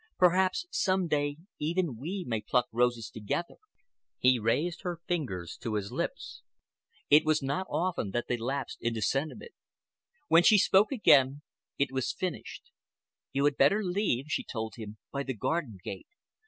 Perhaps some day even we may pluck roses together." He raised her fingers to his lips. It was not often that they lapsed into sentiment. When she spoke again it was finished. "You had better leave," she told him, "by the garden gate.